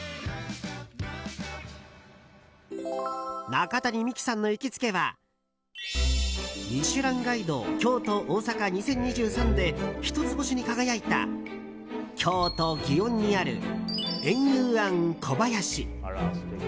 中谷美紀さんの行きつけは「ミシュランガイド京都・大阪２０２３」で一つ星に輝いた京都・祇園にある圓融菴小林。